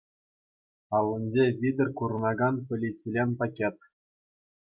Аллинче витӗр курӑнакан полиэтилен пакет.